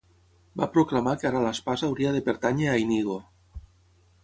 Va proclamar que ara l'espasa hauria de pertànyer a Inigo.